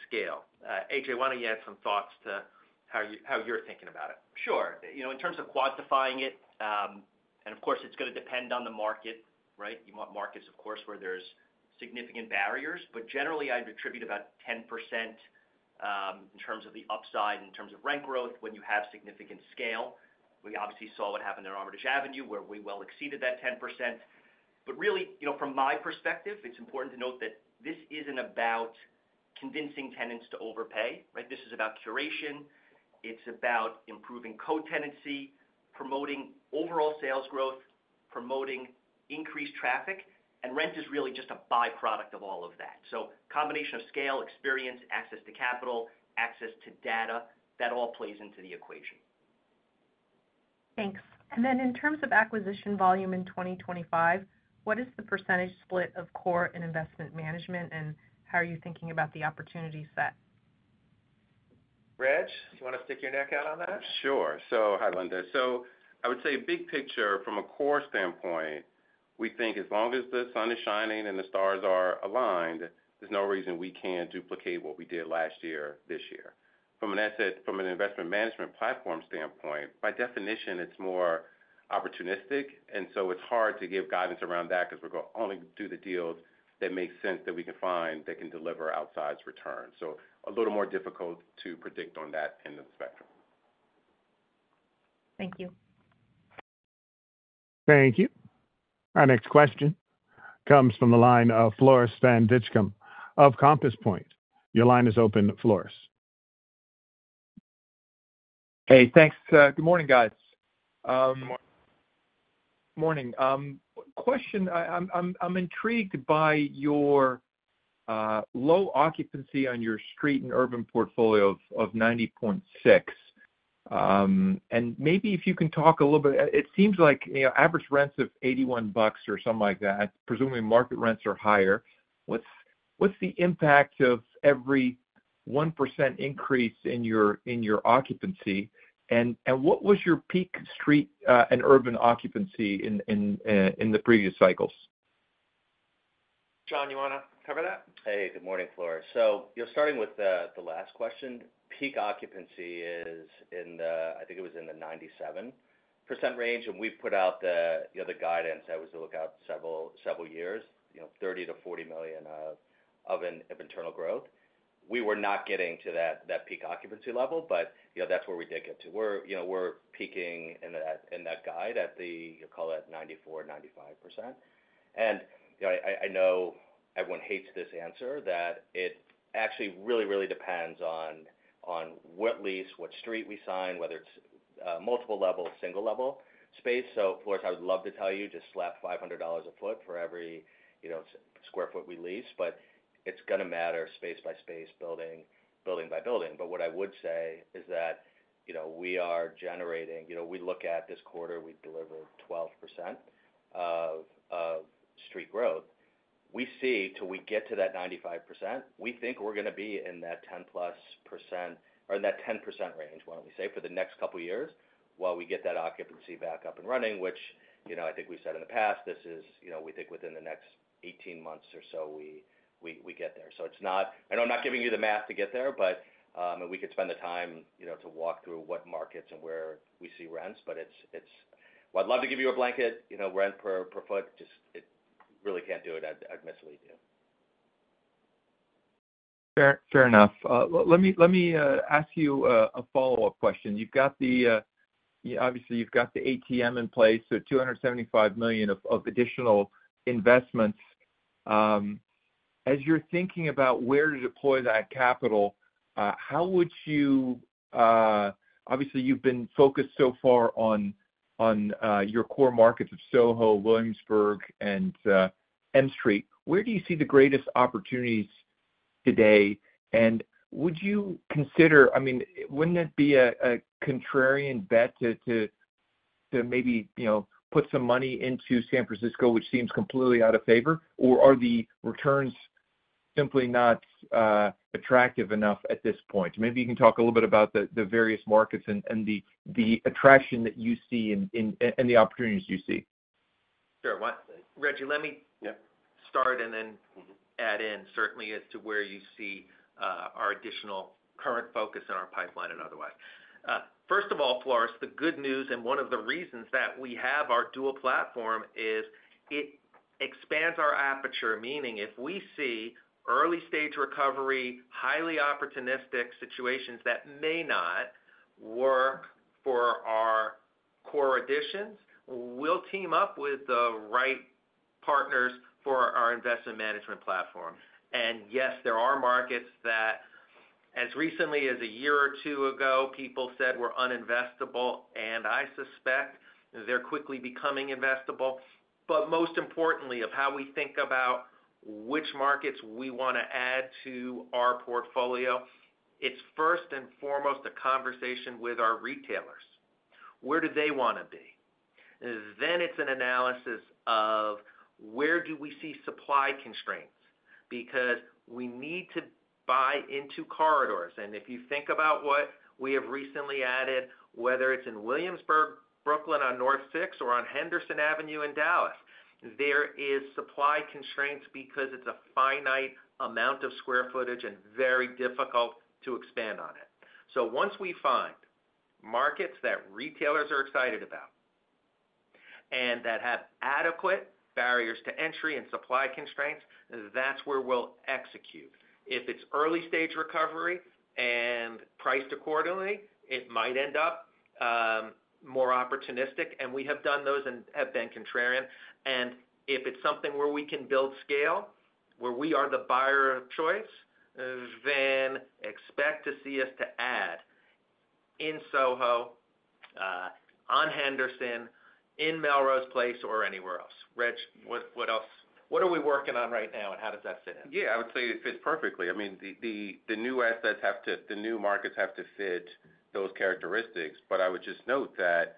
scale. A.J., why don't you add some thoughts to how you're thinking about it? Sure. In terms of quantifying it, and of course, it's going to depend on the market, right? You want markets, of course, where there's significant barriers. But generally, I'd attribute about 10% in terms of the upside, in terms of rent growth, when you have significant scale. We obviously saw what happened in Armitage Avenue, where we well exceeded that 10%. But really, from my perspective, it's important to note that this isn't about convincing tenants to overpay, right? This is about curation. It's about improving co-tenancy, promoting overall sales growth, promoting increased traffic, and rent is really just a byproduct of all of that. So a combination of scale, experience, access to capital, access to data, that all plays into the equation. Thanks. And then in terms of acquisition volume in 2025, what is the percentage split of core and investment management, and how are you thinking about the opportunity set? Reg, do you want to stick your neck out on that? Sure. So hi, Linda. So I would say big picture from a core standpoint, we think as long as the sun is shining and the stars are aligned, there's no reason we can't duplicate what we did last year this year. From an investment management platform standpoint, by definition, it's more opportunistic, and so it's hard to give guidance around that because we're going to only do the deals that make sense that we can find that can deliver outsized returns. So a little more difficult to predict on that end of the spectrum. Thank you. Thank you. Our next question comes from the line of Floris van Dijkum of Compass Point. Your line is open, Floris. Hey, thanks. Good morning, guys. Good morning. Morning. Question. I'm intrigued by your low occupancy on your street and urban portfolio of 90.6%. And maybe if you can talk a little bit, it seems like average rents of $81 or something like that, presumably market rents are higher. What's the impact of every 1% increase in your occupancy? And what was your peak street and urban occupancy in the previous cycles? John, you want to cover that? Hey, good morning, Floris. So starting with the last question, peak occupancy is in the, I think it was in the 97% range, and we've put out the guidance that was to look out several years, $30-$40 million of internal growth. We were not getting to that peak occupancy level, but that's where we did get to. We're peaking in that guide at the, you'll call it 94%-95%. And I know everyone hates this answer, that it actually really, really depends on what lease, what street we sign, whether it's multiple-level, single-level space. So Floris, I would love to tell you, just slap $500 a foot for every square foot we lease, but it's going to matter space by space, building by building. But what I would say is that we are generating, we look at this quarter, we've delivered 12% of street growth. We see till we get to that 95%. We think we're going to be in that 10-plus% or in that 10% range. Why don't we say, for the next couple of years while we get that occupancy back up and running, which I think we've said in the past, this is. We think within the next 18 months or so we get there. So it's not. I know I'm not giving you the math to get there, but we could spend the time to walk through what markets and where we see rents, but it's. Well, I'd love to give you a blanket rent per foot, just really can't do it. I'd mislead you. Fair enough. Let me ask you a follow-up question. You've got the, obviously, you've got the ATM in place, so $275 million of additional investments. As you're thinking about where to deploy that capital, how would you, obviously, you've been focused so far on your core markets of SoHo, Williamsburg, and M Street. Where do you see the greatest opportunities today? And would you consider, I mean, wouldn't it be a contrarian bet to maybe put some money into San Francisco, which seems completely out of favor? Or are the returns simply not attractive enough at this point? Maybe you can talk a little bit about the various markets and the attraction that you see and the opportunities you see. Sure. Reggie, let me start and then add in certainly as to where you see our additional current focus in our pipeline and otherwise. First of all, Floris, the good news and one of the reasons that we have our dual platform is it expands our aperture, meaning if we see early-stage recovery, highly opportunistic situations that may not work for our core additions, we'll team up with the right partners for our investment management platform. And yes, there are markets that as recently as a year or two ago, people said were uninvestable, and I suspect they're quickly becoming investable. But most importantly, of how we think about which markets we want to add to our portfolio, it's first and foremost a conversation with our retailers. Where do they want to be? Then it's an analysis of where do we see supply constraints? Because we need to buy into corridors. And if you think about what we have recently added, whether it's in Williamsburg, Brooklyn on North 6, or on Henderson Avenue in Dallas, there is supply constraints because it's a finite amount of square footage and very difficult to expand on it. So once we find markets that retailers are excited about and that have adequate barriers to entry and supply constraints, that's where we'll execute. If it's early-stage recovery and priced accordingly, it might end up more opportunistic, and we have done those and have been contrarian. And if it's something where we can build scale, where we are the buyer of choice, then expect to see us to add in SoHo, on Henderson, in Melrose Place, or anywhere else. Reg, what else? What are we working on right now, and how does that fit in? Yeah, I would say it fits perfectly. I mean, the new assets have to, the new markets have to fit those characteristics, but I would just note that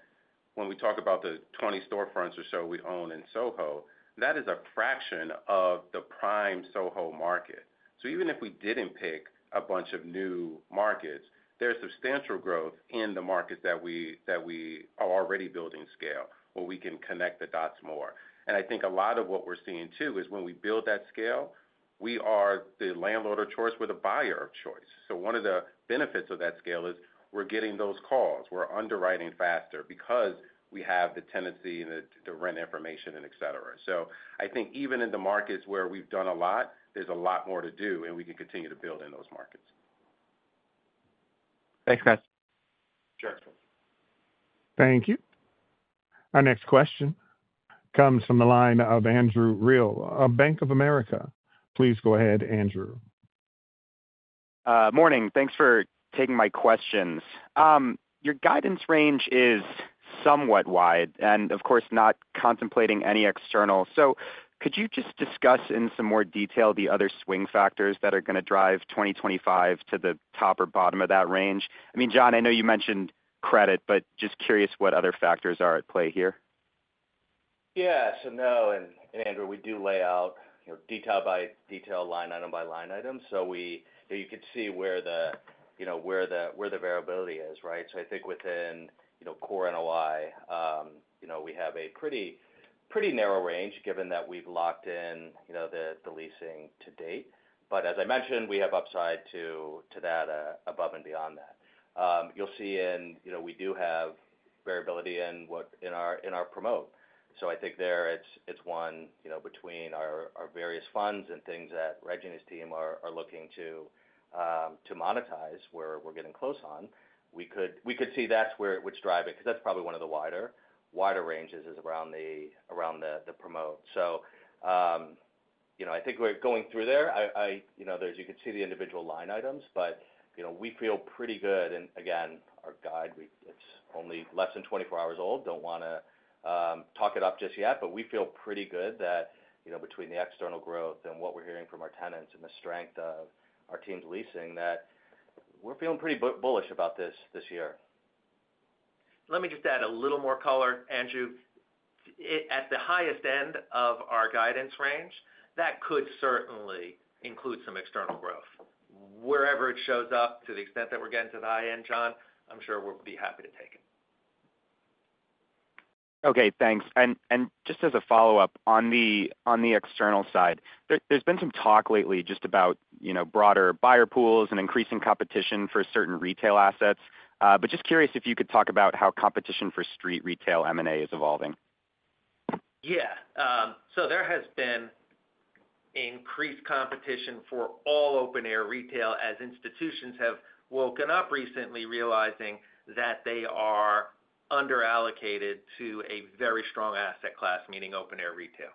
when we talk about the 20 storefronts or so we own in SoHo, that is a fraction of the prime SoHo market. So even if we didn't pick a bunch of new markets, there's substantial growth in the markets that we are already building scale where we can connect the dots more. And I think a lot of what we're seeing too is when we build that scale, we are the landlord of choice or the buyer of choice. So one of the benefits of that scale is we're getting those calls. We're underwriting faster because we have the tenancy and the rent information, etc. So I think even in the markets where we've done a lot, there's a lot more to do, and we can continue to build in those markets. Thanks, guys. Sure. Thank you. Our next question comes from the line of Andrew Reale, Bank of America. Please go ahead, Andrew. Morning. Thanks for taking my questions. Your guidance range is somewhat wide and, of course, not contemplating any external. So could you just discuss in some more detail the other swing factors that are going to drive 2025 to the top or bottom of that range? I mean, John, I know you mentioned credit, but just curious what other factors are at play here? Yeah. So no, and Andrew, we do lay out detail by detail, line item by line item. So you could see where the variability is, right? So I think within core NOI, we have a pretty narrow range given that we've locked in the leasing to date. But as I mentioned, we have upside to that above and beyond that. You'll see we do have variability in our promote. So I think there it's one between our various funds and things that Reggie and his team are looking to monetize where we're getting close on. We could see that's what's driving because that's probably one of the wider ranges is around the promote. So I think we're going through there. As you could see the individual line items, but we feel pretty good. And again, our guide, it's only less than 24 hours old. Don't want to talk it up just yet, but we feel pretty good that between the external growth and what we're hearing from our tenants and the strength of our team's leasing, that we're feeling pretty bullish about this year. Let me just add a little more color, Andrew. At the highest end of our guidance range, that could certainly include some external growth. Wherever it shows up, to the extent that we're getting to the high end, John, I'm sure we'll be happy to take it. Okay. Thanks. And just as a follow-up on the external side, there's been some talk lately just about broader buyer pools and increasing competition for certain retail assets. But just curious if you could talk about how competition for street retail M&A is evolving? Yeah, so there has been increased competition for all open-air retail as institutions have woken up recently realizing that they are underallocated to a very strong asset class, meaning open-air retail.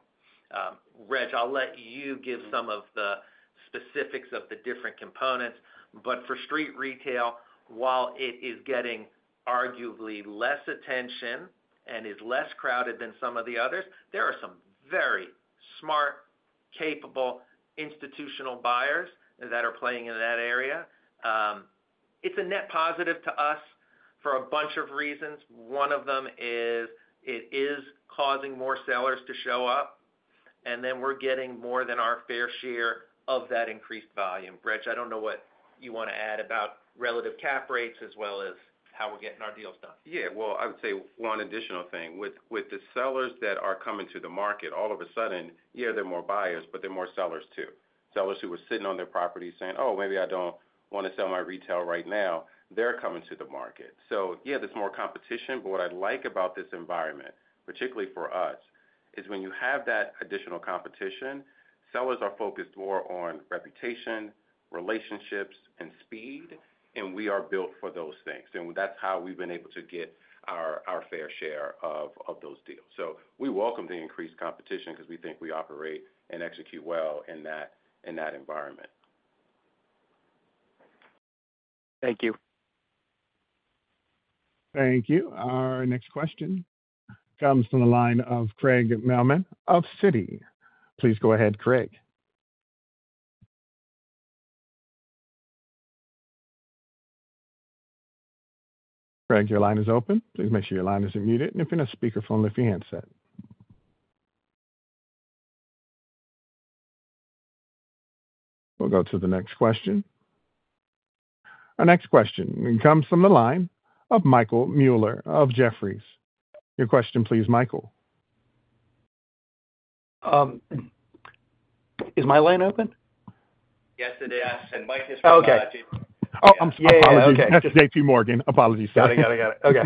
Reg, I'll let you give some of the specifics of the different components, but for street retail, while it is getting arguably less attention and is less crowded than some of the others, there are some very smart, capable institutional buyers that are playing in that area. It's a net positive to us for a bunch of reasons. One of them is it is causing more sellers to show up, and then we're getting more than our fair share of that increased volume. Reg, I don't know what you want to add about relative cap rates as well as how we're getting our deals done. Yeah. Well, I would say one additional thing. With the sellers that are coming to the market, all of a sudden, yeah, there are more buyers, but there are more sellers too. Sellers who were sitting on their property saying, "Oh, maybe I don't want to sell my retail right now." They're coming to the market. So yeah, there's more competition, but what I like about this environment, particularly for us, is when you have that additional competition, sellers are focused more on reputation, relationships, and speed, and we are built for those things. And that's how we've been able to get our fair share of those deals. So we welcome the increased competition because we think we operate and execute well in that environment. Thank you. Thank you. Our next question comes from the line of Craig Mailman of Citi. Please go ahead, Craig. Craig, your line is open. Please make sure your line isn't muted. And if you're on a speakerphone, lift your handset. We'll go to the next question. Our next question comes from the line of Michael Mueller of Jefferies. Your question, please, Michael. Is my line open? Yes, it is, and Mike is right. Oh, I'm sorry. Apologies. Yeah, yeah. Just JPMorgan. Apologies. Got it. Okay.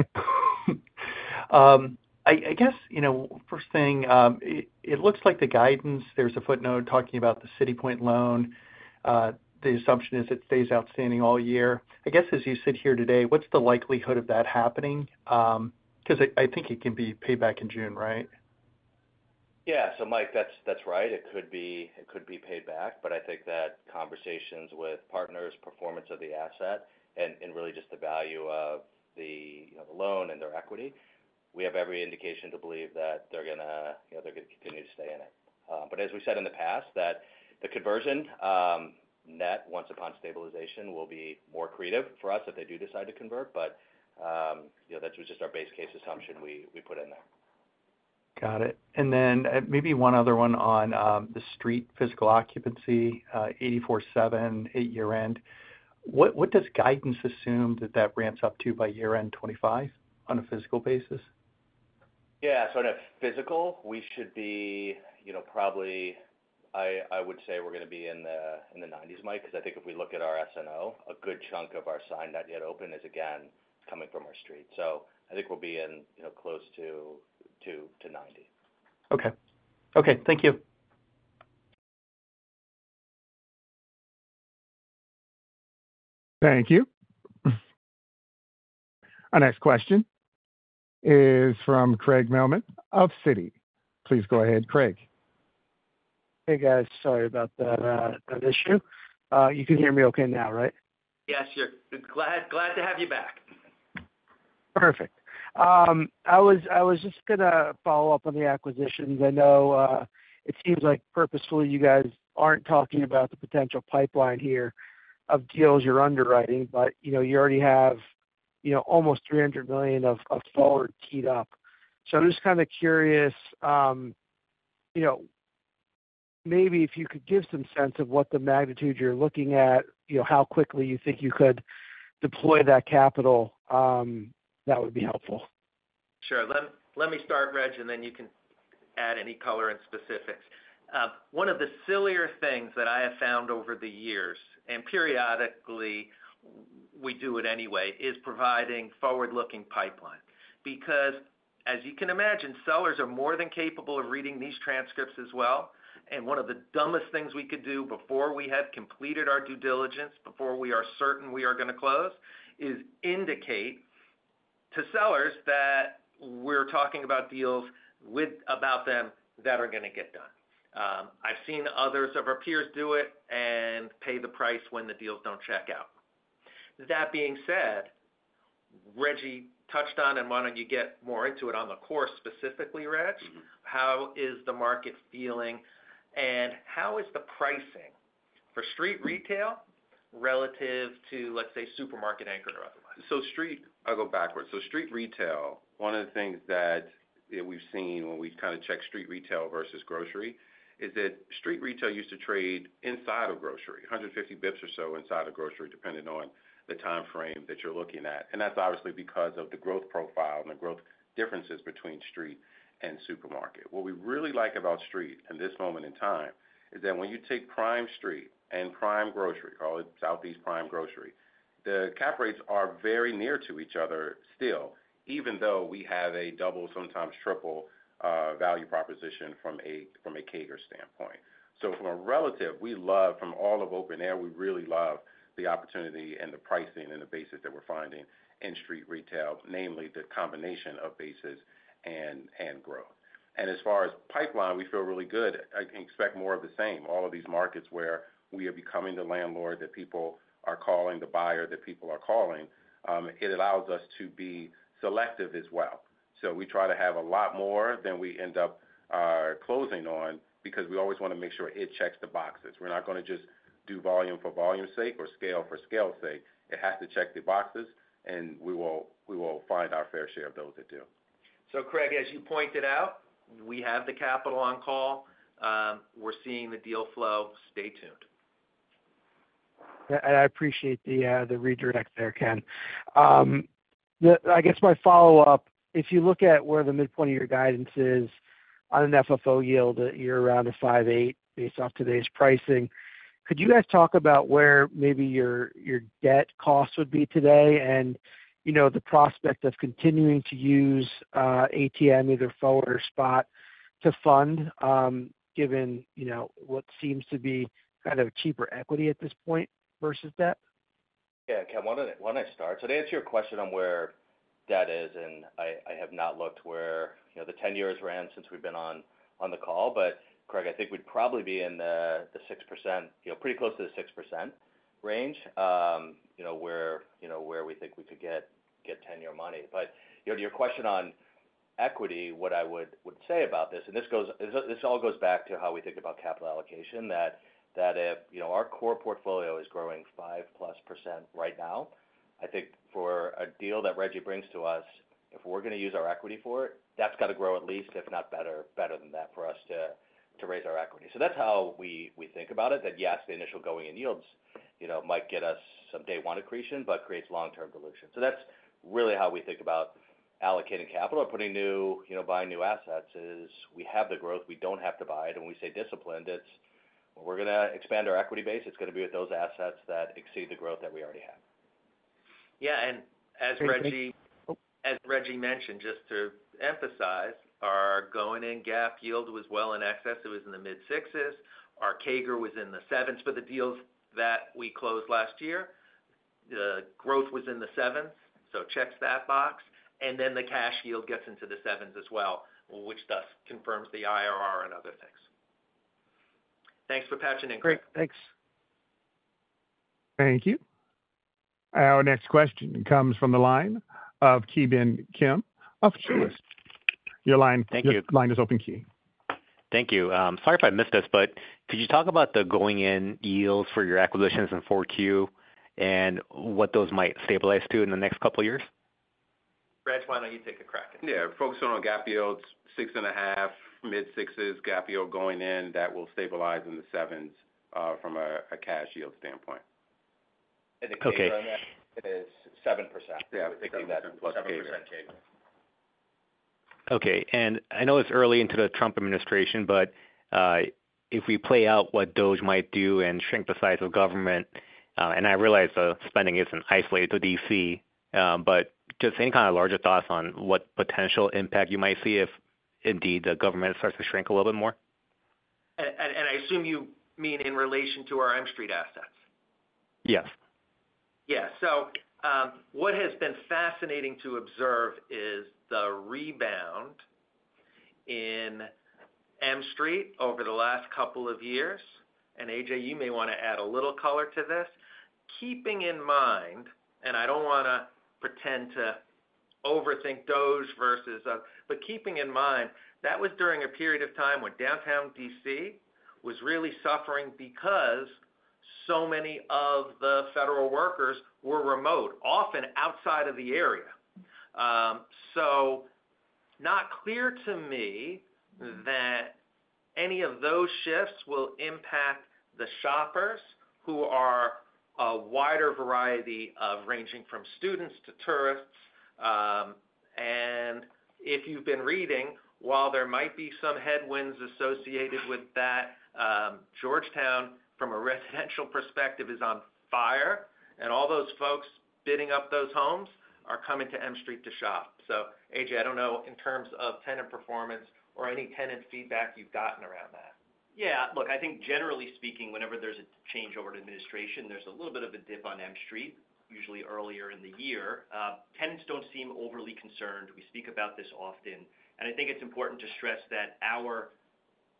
I guess first thing, it looks like the guidance, there's a footnote talking about the City Point loan. The assumption is it stays outstanding all year. I guess as you sit here today, what's the likelihood of that happening? Because I think it can be paid back in June, right? Yeah. So Mike, that's right. It could be paid back, but I think that conversations with partners, performance of the asset, and really just the value of the loan and their equity. We have every indication to believe that they're going to continue to stay in it. But as we said in the past, that the conversion option upon stabilization will be more accretive for us if they do decide to convert, but that was just our base case assumption we put in there. Got it. And then maybe one other one on the street physical occupancy, 84.7% at year-end. What does guidance assume that that ramps up to by year-end 2025 on a physical basis? Yeah. So physical, we should be probably, I would say, we're going to be in the 90s%, Mike, because I think if we look at our SNO, a good chunk of our signed not yet open is, again, coming from our street. So I think we'll be in close to 90%. Okay. Okay. Thank you. Thank you. Our next question is from Craig Mailman of Citi. Please go ahead, Craig. Hey, guys. Sorry about that issue. You can hear me okay now, right? Yes, we're glad to have you back. Perfect. I was just going to follow up on the acquisitions. I know it seems like purposefully you guys aren't talking about the potential pipeline here of deals you're underwriting, but you already have almost $300 million of forward teed up. So I'm just kind of curious, maybe if you could give some sense of what the magnitude you're looking at, how quickly you think you could deploy that capital, that would be helpful. Sure. Let me start, Reg, and then you can add any color and specifics. One of the sillier things that I have found over the years, and periodically we do it anyway, is providing forward-looking pipeline. Because as you can imagine, sellers are more than capable of reading these transcripts as well, and one of the dumbest things we could do before we have completed our due diligence, before we are certain we are going to close, is indicate to sellers that we're talking about deals about them that are going to get done. I've seen others of our peers do it and pay the price when the deals don't check out. That being said, Reggie touched on and wanted you to get more into it on the core specifically, Reg. How is the market feeling and how is the pricing for street retail relative to, let's say, supermarket-anchored or otherwise? I'll go backwards. Street retail, one of the things that we've seen when we kind of check street retail versus grocery is that street retail used to trade inside of grocery, 150 basis points or so inside of grocery depending on the timeframe that you're looking at. That's obviously because of the growth profile and the growth differences between street and supermarket. What we really like about street in this moment in time is that when you take prime street and prime grocery, call it Southeast prime grocery, the cap rates are very near to each other still, even though we have a double, sometimes triple value proposition from a CAGR standpoint. From a relative, we love from all of open-air, we really love the opportunity and the pricing and the basis that we're finding in street retail, namely the combination of basis and growth. And as far as pipeline, we feel really good. I can expect more of the same. All of these markets where we are becoming the landlord that people are calling, the buyer that people are calling, it allows us to be selective as well. So we try to have a lot more than we end up closing on because we always want to make sure it checks the boxes. We're not going to just do volume for volume's sake or scale for scale's sake. It has to check the boxes, and we will find our fair share of those that do. So Craig, as you pointed out, we have the capital on call. We're seeing the deal flow. Stay tuned. And I appreciate the redirect there, Ken. I guess my follow-up, if you look at where the midpoint of your guidance is on an FFO yield that you're around a 5.8% based off today's pricing, could you guys talk about where maybe your debt cost would be today and the prospect of continuing to use ATM, either forward or spot, to fund given what seems to be kind of cheaper equity at this point versus debt? Yeah. Ken, why don't I start? So to answer your question on where debt is, and I have not looked where the 10-year ran since we've been on the call, but Craig, I think we'd probably be in the 6%, pretty close to the 6% range where we think we could get 10-year money. But to your question on equity, what I would say about this, and this all goes back to how we think about capital allocation, that if our core portfolio is growing 5-plus % right now, I think for a deal that Reggie brings to us, if we're going to use our equity for it, that's got to grow at least, if not better than that, for us to raise our equity. So that's how we think about it, that yes, the initial going in yields might get us some day-one accretion, but creates long-term dilution. So that's really how we think about allocating capital or buying new assets. We have the growth, we don't have to buy it, and when we say disciplined, it's we're going to expand our equity base. It's going to be with those assets that exceed the growth that we already have. Yeah. And as Reggie mentioned, just to emphasize, our going in GAAP yield was well in excess. It was in the mid-sixes. Our CAGR was in the sevens for the deals that we closed last year. The growth was in the sevens. So checks that box. And then the cash yield gets into the sevens as well, which thus confirms the IRR and other things. Thanks for patching in, Craig. Great. Thanks. Thank you. Our next question comes from the line of Ki Bin Kim of Truist. Your line is open, Ki. Thank you. Sorry if I missed this, but could you talk about the going in yields for your acquisitions in Q4 and what those might stabilize to in the next couple of years? Reg, why don't you take a crack at that? Yeah. Focusing on GAAP yields, 6.5%, mid-sixes, GAAP yield going in, that will stabilize in the sevens from a cash yield standpoint. Okay. Okay. And I know it's early into the Trump administration, but if we play out what DOGE might do and shrink the size of government, and I realize the spending isn't isolated to D.C., but just any kind of larger thoughts on what potential impact you might see if indeed the government starts to shrink a little bit more? I assume you mean in relation to our M Street assets? Yes. Yeah. So what has been fascinating to observe is the rebound in M Street over the last couple of years. And A.J., you may want to add a little color to this. Keeping in mind, and I don't want to pretend to overthink DOGE versus others, but keeping in mind, that was during a period of time when downtown DC was really suffering because so many of the federal workers were remote, often outside of the area. So not clear to me that any of those shifts will impact the shoppers who are a wider variety ranging from students to tourists. And if you've been reading, while there might be some headwinds associated with that, Georgetown, from a residential perspective, is on fire. And all those folks bidding up those homes are coming to M Street to shop. So, A.J., I don't know in terms of tenant performance or any tenant feedback you've gotten around that. Yeah. Look, I think generally speaking, whenever there's a change over to administration, there's a little bit of a dip on M Street, usually earlier in the year. Tenants don't seem overly concerned. We speak about this often. And I think it's important to stress that our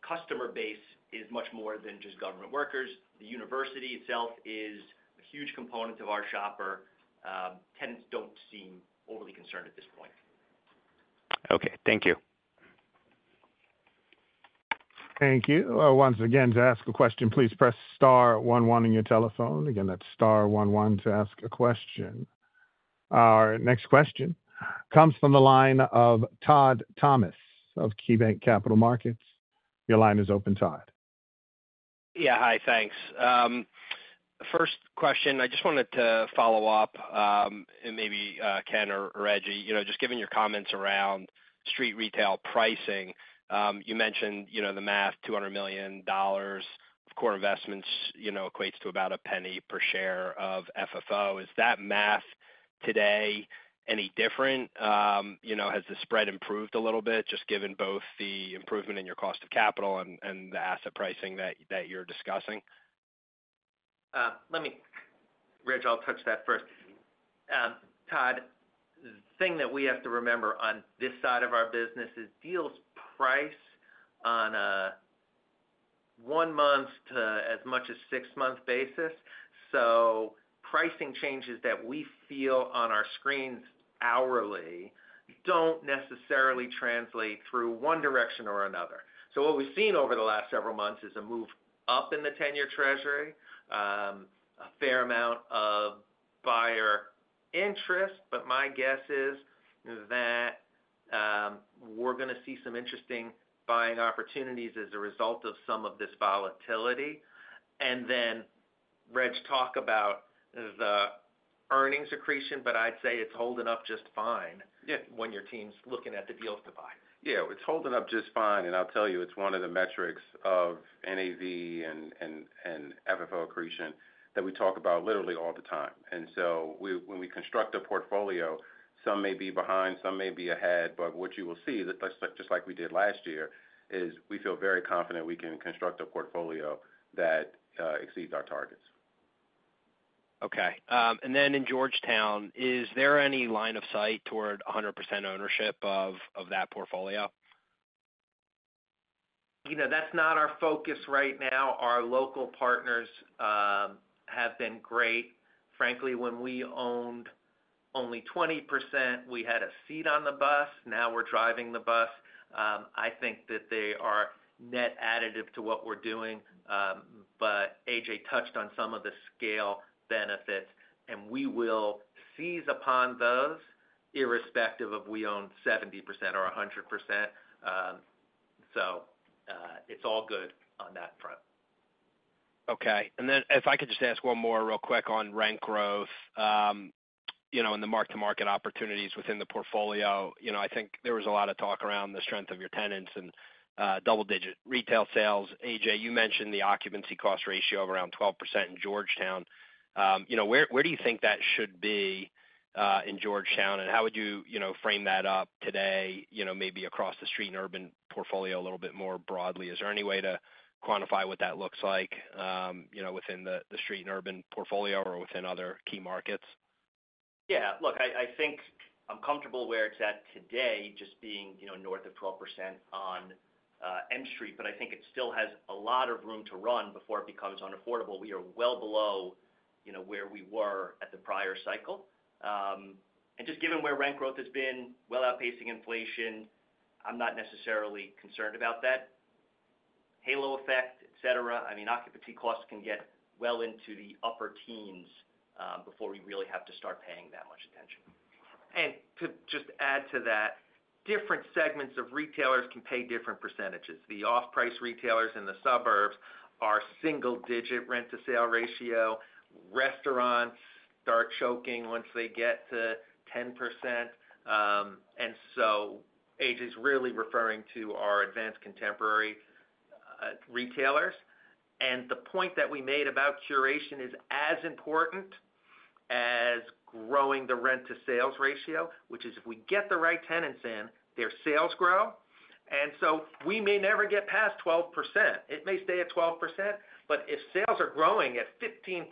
customer base is much more than just government workers. The university itself is a huge component of our shopper. Tenants don't seem overly concerned at this point. Okay. Thank you. Thank you. Once again, to ask a question, please press star one one on your telephone. Again, that's star one one to ask a question. Our next question comes from the line of Todd Thomas of KeyBanc Capital Markets. Your line is open, Todd. Yeah. Hi. Thanks. First question, I just wanted to follow up, and maybe Ken or Reggie, just given your comments around street retail pricing, you mentioned the math, $200 million of core investments equates to about $0.01 per share of FFO. Is that math today any different? Has the spread improved a little bit, just given both the improvement in your cost of capital and the asset pricing that you're discussing? Reg, I'll touch that first. Todd, the thing that we have to remember on this side of our business is deals price on a one-month to as much as six-month basis. So pricing changes that we feel on our screens hourly don't necessarily translate through one direction or another. So what we've seen over the last several months is a move up in the 10-year Treasury, a fair amount of buyer interest, but my guess is that we're going to see some interesting buying opportunities as a result of some of this volatility. And then Reg, talk about the earnings accretion, but I'd say it's holding up just fine when your team's looking at the deals to buy. Yeah. It's holding up just fine. And I'll tell you, it's one of the metrics of NAV and FFO accretion that we talk about literally all the time. And so when we construct a portfolio, some may be behind, some may be ahead, but what you will see, just like we did last year, is we feel very confident we can construct a portfolio that exceeds our targets. Okay, and then in Georgetown, is there any line of sight toward 100% ownership of that portfolio? That's not our focus right now. Our local partners have been great. Frankly, when we owned only 20%, we had a seat on the bus. Now we're driving the bus. I think that they are net additive to what we're doing. But A.J. touched on some of the scale benefits, and we will seize upon those irrespective of we own 70% or 100%. So it's all good on that front. Okay. And then if I could just ask one more real quick on rent growth and the mark-to-market opportunities within the portfolio. I think there was a lot of talk around the strength of your tenants and double-digit retail sales. A.J., you mentioned the occupancy cost ratio of around 12% in Georgetown. Where do you think that should be in Georgetown? And how would you frame that up today, maybe across the street and urban portfolio a little bit more broadly? Is there any way to quantify what that looks like within the street and urban portfolio or within other key markets? Yeah. Look, I think I'm comfortable where it's at today, just being north of 12% on M Street, but I think it still has a lot of room to run before it becomes unaffordable. We are well below where we were at the prior cycle, and just given where rent growth has been, well outpacing inflation, I'm not necessarily concerned about that. Halo effect, etc. I mean, occupancy costs can get well into the upper teens before we really have to start paying that much attention, and to just add to that, different segments of retailers can pay different percentages. The off-price retailers in the suburbs are single-digit rent-to-sale ratio. Restaurants start choking once they get to 10%. And so A.J.'s really referring to our advanced contemporary retailers. And the point that we made about curation is as important as growing the rent-to-sales ratio, which is if we get the right tenants in, their sales grow. And so we may never get past 12%. It may stay at 12%, but if sales are growing at 15%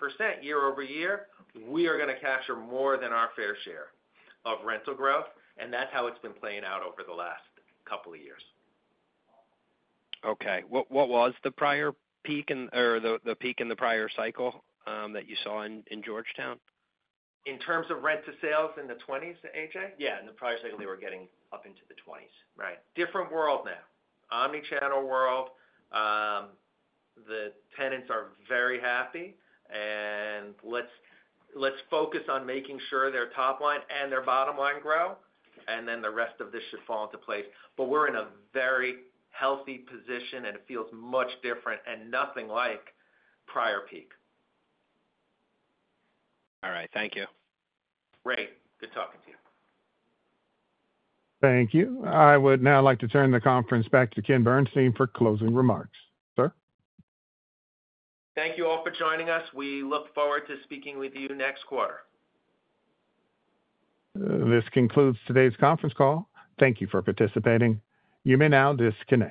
year over year, we are going to capture more than our fair share of rental growth. And that's how it's been playing out over the last couple of years. Okay. What was the prior peak or the peak in the prior cycle that you saw in Georgetown? In terms of rent-to-sales in the 20s, A.J.? Yeah. In the prior cycle, they were getting up into the 20s. Right. Different world now. Omnichannel world. The tenants are very happy. And let's focus on making sure their top line and their bottom line grow, and then the rest of this should fall into place. But we're in a very healthy position, and it feels much different and nothing like prior peak. All right. Thank you. Great. Good talking to you. Thank you. I would now like to turn the conference back to Ken Bernstein for closing remarks. Sir? Thank you all for joining us. We look forward to speaking with you next quarter. This concludes today's conference call. Thank you for participating. You may now disconnect.